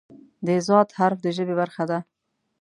د "ض" حرف د ژبې برخه ده.